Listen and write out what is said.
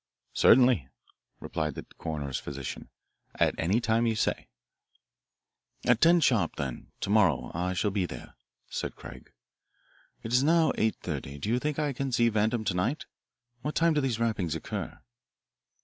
"Certainly," replied the coroner's physician, "at any time you say." "At ten sharp, then, to morrow I shall be there," said Craig. "It is now eight thirty. Do you think I can see Vandam to night? What time do these rappings occur?"